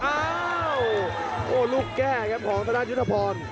โอ้โหลูกแก้ของสถานทรยุทธพร